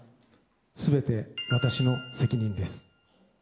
全て私の責任です。